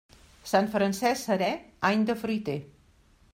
Sant Francesc serè, any de fruiter.